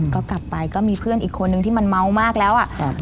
ก็กลับไปก็มีเพื่อนอีกคนนึงที่มันเมามากแล้วอะ